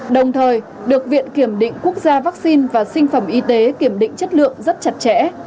đồng thời được viện kiểm định quốc gia vaccine và sinh phẩm y tế kiểm định chất lượng rất chặt chẽ